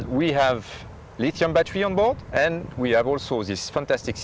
dan kita memiliki baterai lithium di dalam kapal dan kita juga memiliki sistem yang luar biasa